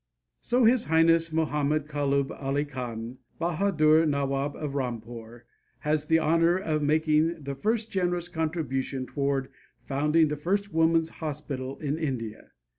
So His Highness Mahomed Kallub Ali Khan, Bahadur, Nawab of Rampore, has the honor of making the first generous contribution toward founding the first woman's hospital in India.